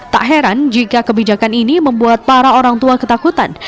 tak heran jika kebijakan ini membuat para orang tua ketakutan